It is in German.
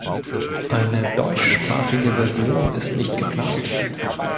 Eine deutschsprachige Version ist nicht geplant.